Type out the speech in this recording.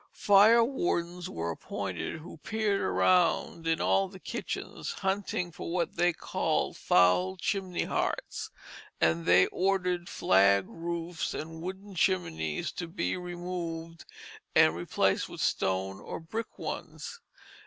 Fire wardens were appointed who peered around in all the kitchens, hunting for what they called foul chimney hearts, and they ordered flag roofs and wooden chimneys to be removed, and replaced with stone or brick ones.